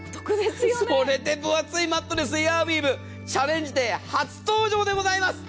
それで分厚いマットレスエアウィーヴ、チャレンジデー初登場でございます。